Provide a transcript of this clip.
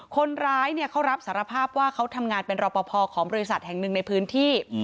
คนร้ายเขารับสารภาพว่าเขาทำงานเป็นรอปภของบริษัทแห่งหนึ่งในพื้นที่